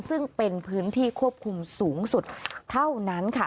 ซึ่งเป็นพื้นที่ควบคุมสูงสุดเท่านั้นค่ะ